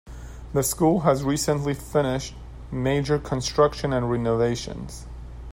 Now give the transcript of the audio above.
The school has recently finished major construction and renovations.